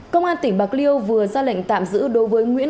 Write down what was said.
công an tỉnh bạc liêu vừa ra lệnh tạm giữ đối với nguyễn văn nguyên